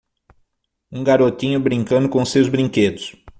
um garotinho brincando com seus brinquedos.